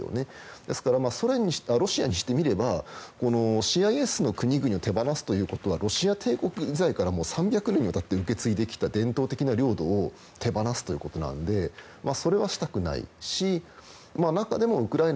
ですから、ロシアにしてみればＣＩＳの国々を手放すということはロシア帝国時代から３００年が経って受け継いできた伝統的な領土を手放すということなのでそれはしたくないし中でもウクライナ。